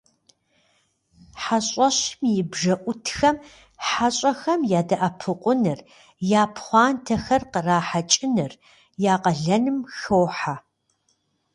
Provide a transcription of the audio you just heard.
Хьэщӏэщым и бжэӏутхэм хьэщӏэхэм ядэӏэпыкъуныр, я пхъуантэхэр кърахьэкӏыныр я къалэным хохьэ.